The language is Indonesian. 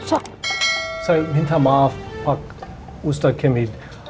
saya minta maaf pak ustaz kemit